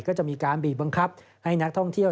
ก็จะมีการบีบบังคับให้นักท่องเที่ยว